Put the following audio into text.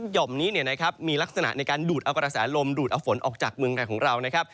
๓หย่อมนี้มีลักษณะในการดูดเอากระสาหรมดูดเอาฝนออกจากเมืองไทยของเรา